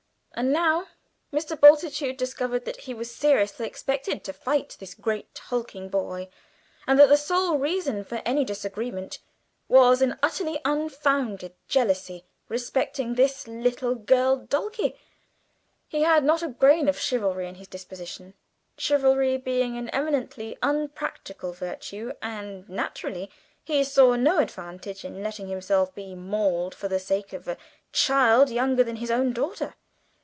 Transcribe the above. And now Mr. Bultitude discovered that he was seriously expected to fight this great hulking boy, and that the sole reason for any disagreement was an utterly unfounded jealousy respecting this little girl Dulcie. He had not a grain of chivalry in his disposition chivalry being an eminently unpractical virtue and naturally he saw no advantage in letting himself be mauled for the sake of a child younger than his own daughter.